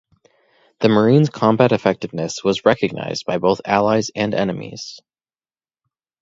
The Marines' combat effectiveness was recognized by both allies and enemies.